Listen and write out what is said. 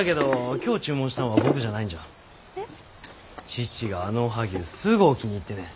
父があのおはぎゅうすごお気に入ってね。